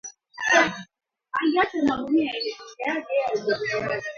inaweza kuchangia katika uchafuzi wa hewa kupitia utendaji wake mbali